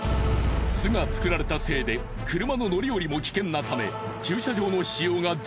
巣が作られたせいで車の乗り降りも危険なため。